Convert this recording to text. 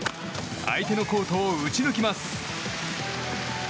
相手のコートを打ち抜きます。